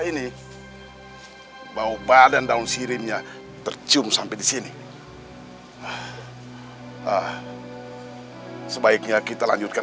ini bau badan daun sirimnya tercium sampai di sini sebaiknya kita lanjutkan